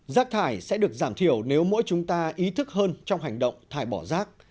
giác thải sẽ được giảm thiểu nếu mỗi chúng ta ý thức hơn trong hành động thải bỏ giác